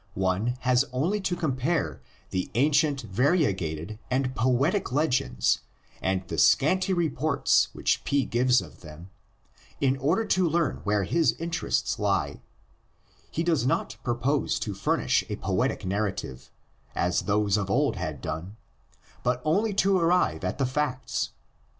One has only to compare the ancient variegated and poetic legends and the scanty reports which P gives of them, in order to learn where his interests lie: he does not purpose to furnish a poetic narrative, as those of old had done, but only to arrive at the facts.